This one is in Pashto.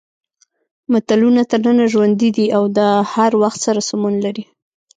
متلونه تر ننه ژوندي دي او د هر وخت سره سمون لري